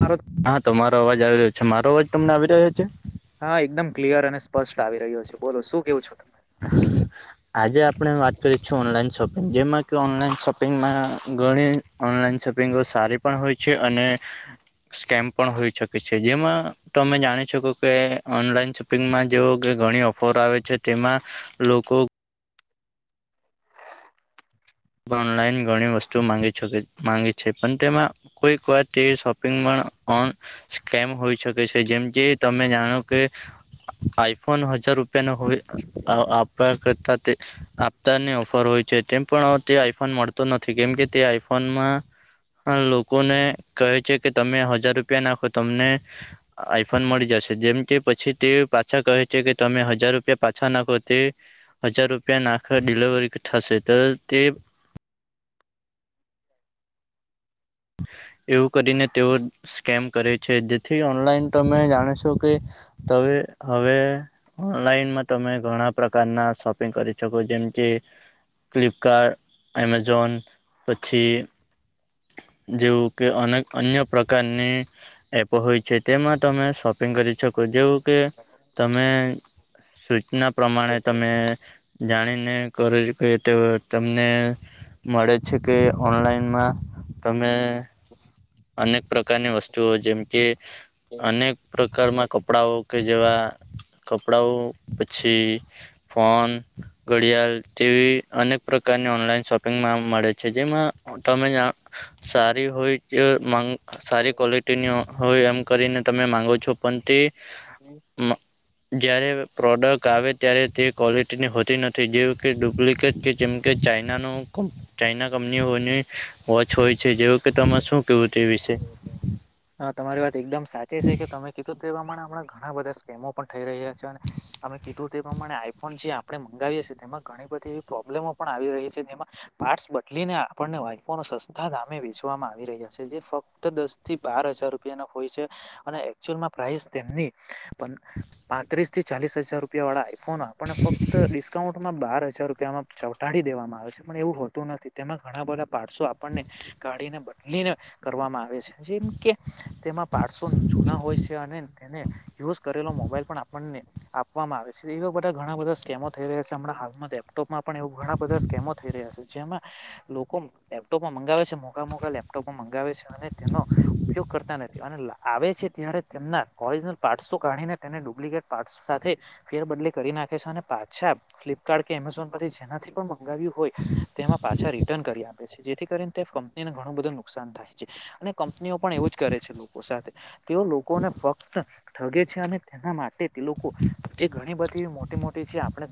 મારો હા તો મારો અવાજ આવી રહ્યો છે મારો અવાજ તમને આવી રહ્યો છે? હા એકદમ ક્લિયર અને સ્પષ્ટ આવી રહ્યો છે બોલો શું કયો છો? આજે આપણે વાત કરી શું ઓનલાઈન શોપ જેમાં કે ઓનલાઈન શોપિંગમાં ઘણી ઓનલાઈન શોપિંગો સારી પણ હોય છે અને સ્કેમ પણ હોઈ શકે છે જેમાં તમે જાણી શકો કે ઓનલાઈન શોપિંગમાં જેવો ઘણી ઓફર આવે છે તેમાં લોકો ઓનલાઈન ઘણી વસ્તુ માગી છે પણ તેમાં કોઈક વાર શોપિંગ મા ઓન સ્કેમ હોય છેકે જેમ કે તમે જાણો કે આઈફોન હજાર રૂપિયા આપવા કરતા આપતાની ઓફર હોય છે તેમ પણ તે આઈફોન મળતો નથી કેમ કે તે આઈફોનમાં હા લોકોને કહે છે કે તમે હજાર રૂપિયા નાખો તમને આઈફોન મળી જાય. જેમ તે પછી તે પાછા કહે છે કે તમે હજાર રૂપિયા પાછા નાખો તે હજાર રૂપિયા નાખ ડિલિવરી થશે તો તે એવું કરીને તેઓ સ્કેમ કરે છે જેથી ઓનલાઈન તમે જાણે છો કે [unintelligible] હવે ઓનલાઈનમાં તમે ઘણા પ્રકારના શોપિંગ કરી શકો જેમ કે ફ્લિપકાર્ટ એમેઝોન પછી જેવું કે અને અન્ય પ્રકા કાને એપો હોય છે તેમાં તમે શોપિંગ કરી શકો જેવું કે તમે સૂચના પ્રમાણે તમે જાણીન ને કરે કે તમને મળે છે કે ઓનલાઈનમાં તમે [unintelligible] અનેક પ્રકારની વસ્તુઓ જેમ કે અનેક પ્રકારના કપડાઓ કે જેવા કપડાઓ પછી ફોન ઘડિયાળ તેવી અનેક પ્રકારની ઓનલાઈન શોપિંગમાં મળે છે જેમાં તમે સારી હોય [unintelligible] સારી કોલેટીની હોય એમ કરીને તમે માગો છો પણ તે હમ્મ. જ્યારે પ્રોડક્ટ આવે ત્યારે તે ક્વોલિટીની હોત [unintelligible] નથી જે કે ડુપ્લિકેટ કે જેમ કે ચાઈનાનું [unintelligible] ચાઈના [unintelligible] વોચ હોય છે જેવું કે તમાર શું કેવું તે વિશે હા તમારી વાત એકદમ સાચી છે કે તમે કીધું તે [unintelligible] આપણા ઘણા બધા સ્કેમો પણ થઈ રહ્યા છે અને અમે તે પ્રમાણે આઈફોન જે આપણે મંગાવીએ છીએ તેમાં ઘણી બધી એવી પ્રોબ્લેમો પણ આવી રહી છે તેમાં પાર્ટસ બદલીને આપણને વાઇફો નો સસ્તા દામે [unintelligible] [unintelligible] આવી રહ્યા છે જે ફક્ત દસ થી બાર હજાર રૂપિયાના હોય છે અને [unintelligible] પ્રાઈઝ તેમની [unintelligible] પાંત્રીસ થી ચાલીસ હજાર રૂપિયા વાળા આઈફોન ફક્ત ડિસ્કાઉન્ટ બાર હજાર રૂપિયામાં ચૌટાડી દેવામાં આવે છે પણ એવું હોતું નથી તેમાં ઘણા બધા પાઠસો આપણને કાઢીને બદલીને કરવામાં આવે છે જેમ કે તેમાં [unintelligible] જૂના હોય છે અને તેને યુઝ કરેલો મોબાઈલ પણ આપણને આપવામાં આવે છે એવા બધા ઘણા બધા સ્કેમો થઈ રહ્યા છે હમણા હાલમાં. લેપટોપમાં પણ એવું ઘણા બધા સ્કેમો થઈ રહ્યા છે જેમાં લોકો લેપટોપમાં મંગાવે છે મો મોંઘા મોંઘા લેપટોપ મંગાવે છે અને તેનો ઉપયોગ કરતા નથી અને આવે છે ત્યારે તેમના [unintelligible] કાઢીને તેને ડુપ્લિકેટ પાર્ટ સાથે ફેર બદલી કરી નાખે છે અને પાછા ફ્લિપકાર્ટ [unintelligible] પરથી જેમાંથી મંગાવ્યું હોય તેમાં પાછા રિટર્ન કરી આપે છે જેથી કરી એને ઘણું બધું નુકસાન થાય છે અને કંપનીઓ પણ એવું જ કરે છે લોકો સાથે તેઓ લોકોને ફક્ત ઠગે છે અને તેના માટે તે લોકો જે ઘણી બધી મોટી મોટી છે આપણે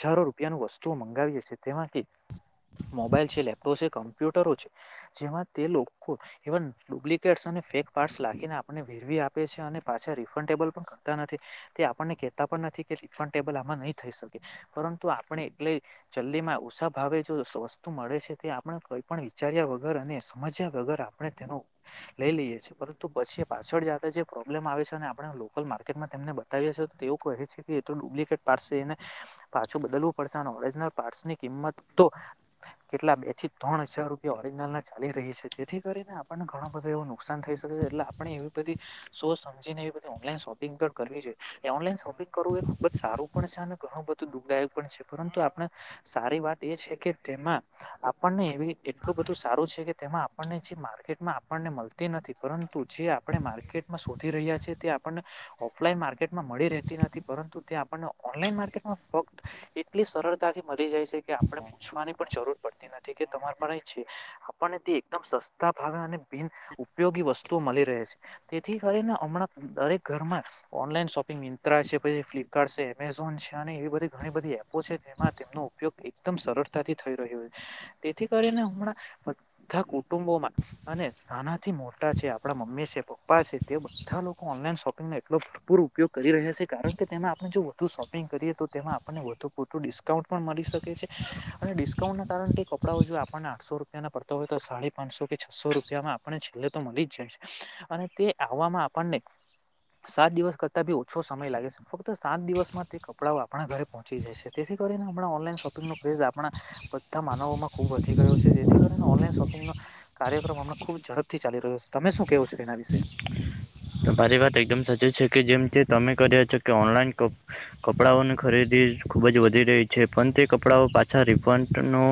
હજારો રૂપિયાનું વસ્તુઓ મંગાવીએ છે તેમાં એક મોબાઈલ છે લેપટોછે કમ્પ્યુટરો છે. જેમાં તે લોકો એવા ડુપ્લિકેટસ અને ફેક પાર્ટસ લાખીને આપને વેરવી આપે છે અને ને પાછા રિફ્રેન્ડ ટેબલ પણ કરતા નથી તે આપણને કેતા પણ નથી કે રિફન્ડેબલ આમાં નહી થઈ શકે. પરંતુ આપણે એટલે જલ્દી માં ઉષા ભાવે જો વસ્તુ મળે છે તે આપણે કઈ પણ વીચાર્યા વગર અને સમજ્યા વગર આપણે તેનું લઈ લઈએ છીએ પરંતુ પછી પાછળ જાતા જે પ્રોબ્લેમ આવે છે અને આપણા લોકલ માર્કેટમાં તેમને બતાવીએ છીએ તો તેઓ કહે છે કે એ તો ડુપ્લિકેટ પાર્ટ છે એને પાછું બદલવું પડશે અને ઓરજનલ પાર્ટસ ની કિંમત તો કેટલા બે થી ત્રણ હજાર રૂ રૂપિયો ઓરીજનલ ના ચાલી રહેલી જેથી કરીને આપણને ઘણો બધો એવું નુકસાન થઈ શકે છે એટલે આપણે એવી બધી સુ તો સમજીને એ બધી ઓનલાઈન શોપિંગ પણ કરવી છે એ ઓનલાઈન શોપિંગ કરવું એ ખુબ જ સારું પણ છે અને ઘણું બધું દુ દુઃખદાયક પણ છે પરંતુ આપણા સારી વાત એ છે કે તેમાં આપણને એવી એટલું બધું સારું છે કે તેમાં આપણને જે માર્કેટમાં આપણને મળતી નથી પરંતુ જે આપણે માર્કેટ માં શોધી રહ્યા છે તે આપને ઓફલાઈન માર્કેટમાં મળી રહેતી નથી પરંતુ તે આપણને ઓનલાઈન માર્કેટ માં ફક્ત એટલી સરળતાથી મળી જાય છે કે આપણે પૂછવાની પણ જરૂર પડતી નથી કે તમારો પણે છે આપને તે એકદમ સસ્તા ભાવે અને બિન ઉપયોગી વસ્તુઓ મલી રહે છે એ તેથી કરીને હમણાં દરેક ઘર માં ઓનલાઈન શોપિંગ મીનત્રા છે પછી ફ્લિપકાર્ટ છે એમેઝોન છે. અને એવી બધી ઘણી બધી એપો છે તેમાં તેમનો ઉપયોગ એકદમ સરતાથી થઈ રહ્યો તે થી કરીને હમણાં બધા કુટુંબોમાં અને નાનાથી મોટા છે આપણા મમ્મી છે પાપ પાસે તે બધા લોકો ઓનલાઈન શોપિંગનો એટલો ભરપૂર ઉપયોગ કરી રહ્યા છે કારણ કે તેમાં આપણે જો વધુ શોપિંગ પિંગ કરીએ તો તેમાં આપણને વધુ પુરતો ડિસ્કાઉન્ટ પણ મળી શકે છે અને ડિસ્કાઉન્ટ ના કારણે તે એક કપડાઓ જો આપણને આઠસો રૂપિયાના પડતા હોય તો સાડા પાંચસો કે છસો રૂપિયામાં આપણે છેલ્લે તો મળી જ જાય છે. અને તે આવવામાં આપણને સાત દિવસ કરતાં બી ઓછો સમય લાગે છે ફક્ત સાત દિવસમાં તે કપડાંઓ આપણા ઘરે પહોંચી જાય છે તેથી કરી આપણા ઓનલાઈન શોપિંગ નો ક્રેઝ આપણા બધા માનવો માં ખુબ વધી ગયો છે જેથી કરીને ઓનલાઈન શોપિંગ માં કાર્યક્રમ ખુબ ઝડપથી ચાલી રહ્યો છે તમે શું કેવું છે તેના [unintelligible] [inaudible] તમારી વાત એકદમ સાચી છે કે જેમથી તમે કર્યા છો કે ઓનલાઈન કપ કપડાઓની ખરીદી તે જ ખૂબ જ વધી રહી છે પણ તે કપડાઓ પાછા રિફંડ નો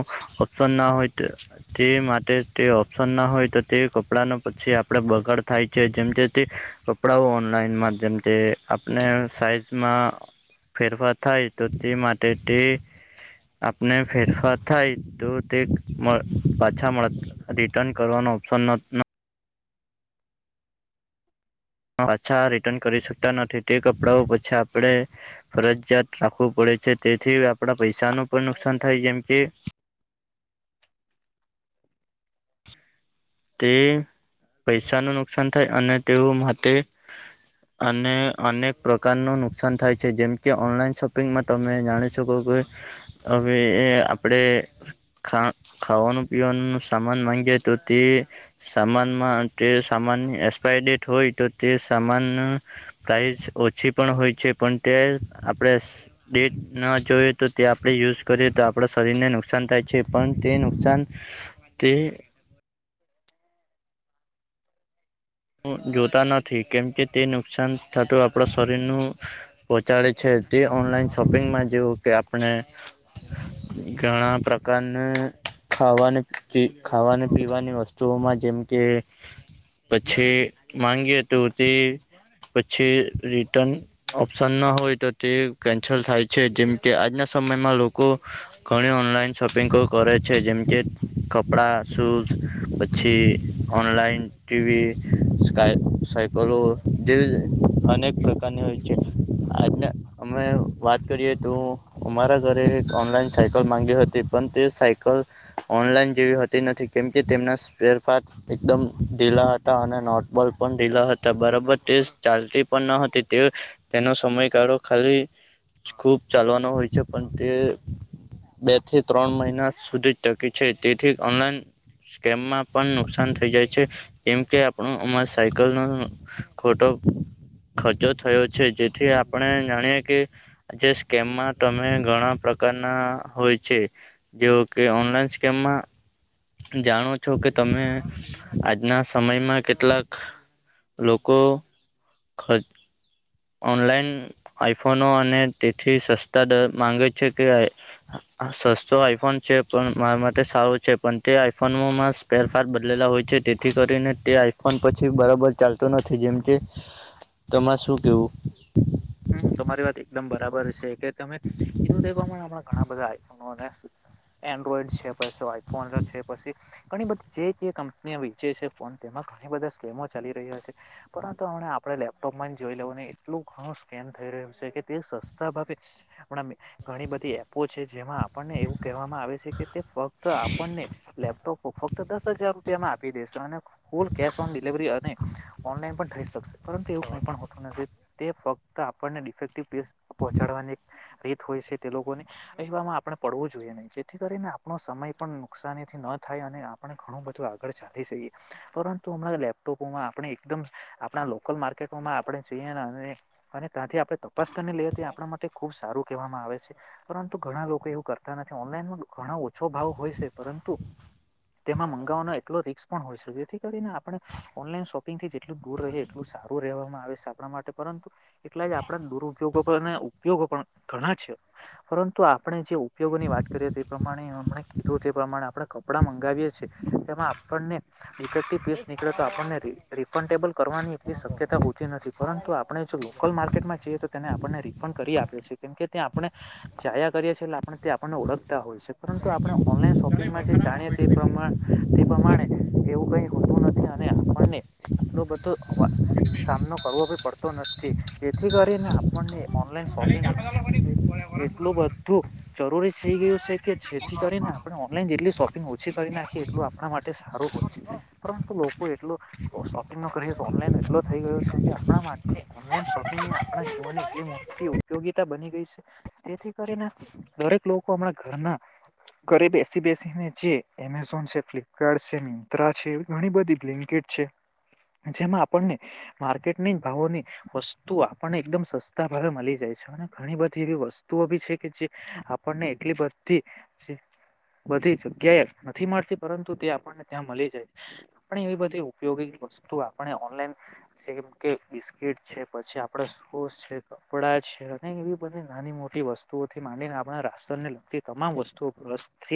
ઓપ્શન ના હોય ત તે માટે તે ઓપ્શન ના હોય તો તે કપડા ન પછી આપડે બગાડ થાય છે જેમ કે તે કપડાંઓ ઓનલાઈન માધ્યમથી આપણે સાઈઝમાં ફેરફાર થાય તો તે માટે તે આપને ફેરફાર થાય તો તે, મળ, પાછા મળ રિટર્ન કરવાનો ઓપ્શન ના ન પણ અચ્છા રિટર્ન કરી શકતા નથી તે કપડાંઓ પછી આપણે ફરજિયાત રાખવું પડે જે તેથી આપડા પૈસાનું પણ નુકસાન થાય જેમ કે તે પૈસાનો નુકસાન થાય અને તેઓ માટે અને અનેક પ્રકારનું નુકસાન થાય છે જેમ કે ઓનલાઈન શોપિંગમાં તમે જાણી શકો કો હવે એ આપડે ખા ખાવાનું પીવાનું સામાન માંગીએ એ તો તે સામાનમાં અંતે સામાનની એક્સપાયરી ડેટ હોય તો તે સામાનના પ્રાઈ ઈઝ ઓછી પણ હોય છે પણ તે આપણે ડેટ ના જોયએ તો તે આપડે યુઝ કરીએ તો આપ આપણા શરીરને નુકસાન થાય છે પણ તે નુકસાન તે હું જોતા નથી કેમકે તે નુકસાન થતું આપણા શરીર નું પહોંચાડે છે. તે ઓનલાઈન શોપિંગમાં જેવું કે આપણે ઘણા પ્રકારને ખાવાની જે ખાવાની પીવાની વસ્તુઓમાં જેમ કે પછી માંગીએ તો તે પછી રિટર્ન ઓપ્શન ના હોય તો તે કેન્સલ થાય છે જેમકે આજના સમયમાં લોકો ઘણી ઓનલાઈન શોપિંગો કરે છે જેમ કે કપડાં શૂઝ પછી ઓનલાઈન ટીવી સાય સાયકલો દિલ અનેક પ્રકારની હોય છે આજન અમે વાત કરીએ તો અમારા ઘરે એક ઓનલાઈન સાયકલ માંગી હતી પણ તે સાયકલ ઓનલાઈન જેવી હતી નથી કેમકે તેમના સ્પેર પાર્ટ એકદમ ઢીલા હતા અને નોટબોલ પણ ઢીલા હતા બરોબર તે ચાલતી પણ ન હતી તેઓ તે નો સમયગાળો ખાલી ખુબ ચાલવાનો હોય છે પણ તે બે થી ત્રણ મહિના સુધી જ ટકે છે તેથી ઓનલાઈન સ્કેમમાં પણ નુકસાન થઈ જાય છે. કેમ કે આપણો અમાર સાયકલનો ખોટો ખર્ચો થયો છે, જેથી આપણે જાણીએ કે જે સ્કેમમાં તમે ઘણા પ્રકારના હોય છે, જેવો કે ઓનલાઈન સ્કેમમાં જાણો છો કે તમે આજના સમયમાં કેટલાક લોકો ખ ઓનલાઈન આઈફોનો અને તેથી સસ્તા દર માંગે છે કે સસ્તો આઈફોન છે પણ મારા માટે સારો છે પણ તે આઈફોનોમા સ્પેર પાર્ટ બદલેલા હોય છે તેથી કરીને તે આઈફોન પછી બરાબર ચાલતો નથી જેમ કે તમા શું કેવું હમ, તમારી વાત એકદમ બરાબર છે કે તમે કીધું તે પ્રમાણે આપણા ઘણા બધા આઈફોનો અને [unintelligible] એન્ડ્રોઈડ છે પછી આઈફોન છે પછી ઘણી બધી જે જે કંપની વેચે છે ફોન તેમાં ઘણી બધા સ્કીમો ચાલી રહ્યા છે, પરંતુ હમણે આપણે લેપટોપમાં જ જોઈ લેવોની એટલું ઘણું કેમ થઈ રહ્યું છે, કે તે સસ્તા ભાવે હમણાં ઘણી બધી એપો છે, જેમાં આપણને એવું કહેવામાં આવે છે, કે તે ફક્ત આપણને લેપટોપ ફ ત દસ હજાર રૂપિયામાં આપી દેેશે અને [unintelligible] કેશ ઓન ડિલિવરી અને ઓનલાઈન પણ થઈ જ શકશે પરંતુ એવું કઈ પણ હોતું નથી તે ફ ત આપણને ડિફેક્ટિવ પીસ પહોંચાડવાની રીત હોય છે, તે લોકોને એવામાં આપણે પડવું જોઈએ નહીં જેથી કરીને આપણો સમય પણ નુકસાનીથી ન થાય અને આપણુ‌ બધુ આગળ ચાલી જઈએ પરંતુ હમણાં લેપટોપોમાં આપણે એકદમ આ લોકલ માર્કેટોમાં આપણે જઈએ અને અને ત્યાંથી આપણે તપાસ કરને લેએ તે આપણા માટે ખુબ સારું કેવામાં આવે છે, પરંતુ ઘણા લોકો એવું કરતા નથી ઓનલાઈનમા ઘણા ઓછો ભાવ હોય છે, પરંતુ તેમાં મંગાવવાનો એટલો રીક્સ પણ હોય છે, જેથી કરીને આપણે ઓનલાઈન શોપિંગથી જેટલું દૂર રહે એટલું સારું રહેવામાં આવે છે, આપણા માટે પરંતુ એટલે જ આપણા દુરપયોગો અને ઉપયોગો પણ ઘણા છે, પરંતુ આપણે જે ઉપયોગ ની વાત કરીએ તે પ્રમાણે અમણે કીધું તે પ્રમાણે આપણે કપડાં મંગાવીએ છે. તેમાં આપણને ડીફેક્ટિવ પીસ નીકળે તો આપણને રી રિફડેબલ કરવાની એટલી શક્યતા હો [unintelligible] નથી, પરંતુ આપ લોકલ માર્કેટમાં જઈએ તો તેને આપણને રિફંડ કરી આપી છે, કેમ કે ત્યા આપણે જાયા કરીએ છીએ એટલે આ તે આપણને ઓળખ તા હોય પરંતુ આપણે ઓનલાઈન શોપિંગમાં જે જાણીએ તે પ્રમા તે પ્રમાણે એવું કઈ હો તુ નથી અને આપણને એટલો બધો અવા સામનો કરવો ભી પડ તો નથી જેથી કરીને આપણને ઓનલાઈન શોપિંગ એટલું બધું જરૂરી થઈ ગયું છે. કે જેથી કરીને આપણે ઓનલાઈન જેટલી શોપિંગ ઓછી કરી નાખીએ એટલું આપણા મા તે સારું હોય છે, પરંતુ લોકો એટલુ શોપિંગ ન કરી ઓનલાઈન એટલો થઈ ગયો છે, કે આપણા મા ટે ઓનલાઈન શોપિંગ આપણા જીવનની એટલી મોટી ઉપયોગીતા બની ગઈ છે, તેથી કરીને દરેક લોકો હમણાં ઘરના ઘરે બેસી બેસીને જે એમેઝોન છે, ફ્લિપકાર્ટ છે, મિંત્રા છે, એવી ધણી બધી બલિ કીટ છે, જેમાં આપણને માર્કેટની ભાવોની વસ્તુ આપણને એકદમ સસ્તા ભાવે મલી જાય છે, અને ઘણી બધી એવી વસ્તુઓ ભી છે, કે જે આપણને એટલી બધી છે. બધી જગ્યાએ નથી મળતી પરંતુ તે આપણને ત્યાં મલી જાય આપણે એવી બધી ઉપયોગી વસ્તુ આપણે ઓનલાઈન જેમ કે ડિ કિટ છે, પછી આપડે શુઝ છે, કપડા છે અને એવી બધી નાની મોટી વસ્તુઓથી માંડીને આપણે રાશન ને લગતી તમામ વસ્તુઓ [unintelligible]